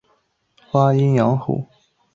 巴尔德斯皮诺则声称将不惜抹黑其声誉。